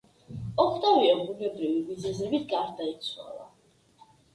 ოქტავია ბუნებრივი მიზეზებით გარდაიცვალა.